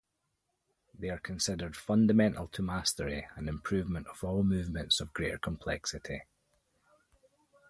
They are considered fundamental to mastery and improvement of all movements of greater complexity.